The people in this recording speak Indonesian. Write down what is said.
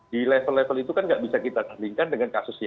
di level level itu kan nggak bisa kita tandingkan dengan kasusnya